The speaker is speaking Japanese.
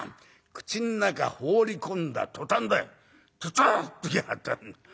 口の中放り込んだ途端だよツツッと来やがった。